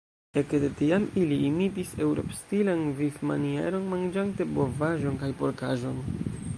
Ekde tiam ili imitis eŭropstilan vivmanieron, manĝante bovaĵon kaj porkaĵon.